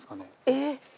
えっ？